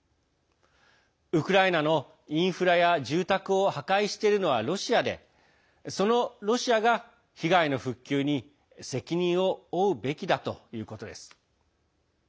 ウクライナのインフラや住宅を破壊しているのはロシアでそのロシアが、被害の復旧に責任を負うべきだということです。